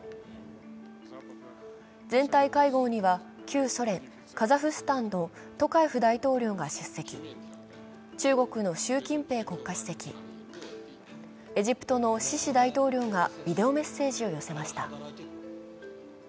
全体会合には旧ソ連・カザフスタンのトカエフ大統領が出席、中国の習近平国家主席、エジプトのシシ大統領がビデオメッセージを寄せました。